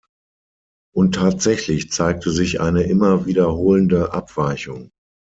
Und tatsächlich zeigte sich eine immer wiederholende Abweichung.